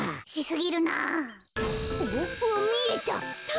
おっみえた。